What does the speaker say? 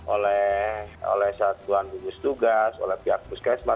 oleh saat kegiatan bukus tugas oleh pihak puskesmas